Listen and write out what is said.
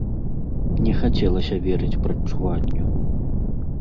Не хацелася верыць прадчуванню.